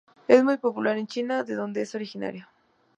Es muy popular en China, de donde es originario.